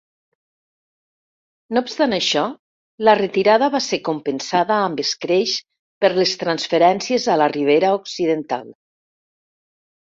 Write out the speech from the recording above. No obstant això, la retirada va ser compensada amb escreix per les transferències a la Ribera Occidental.